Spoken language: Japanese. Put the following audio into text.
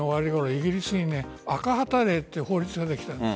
イギリスに赤旗令という法律ができたんです。